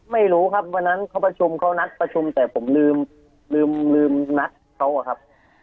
ไม่รู้ครับวันนั้นเขาประชุมเขานัดประชุมแต่ผมลืมลืมนัดเขาอะครับ